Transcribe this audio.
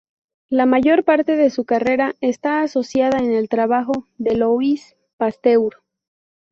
La mayor parte de su carrera está asociada con el trabajo de Louis Pasteur.